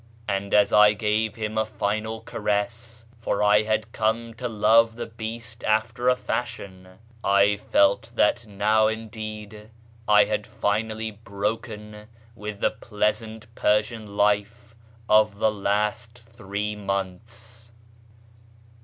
And as I gave him a final caress (for I had come to love the bea=;t after a fashion), 1 felt that now indeed I had finally broken with the pleasant Persian life of the last three months.